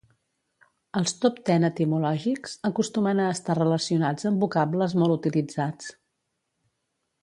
Els top ten etimològics acostumen a estar relacionats amb vocables molt utilitzats.